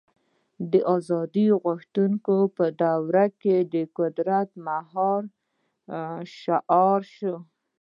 د ازادۍ غوښتنې په دور کې د قدرت مهار شعار شو.